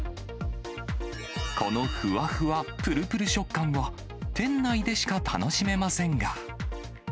このふわふわぷるぷる食感は店内でしか楽しめませんが。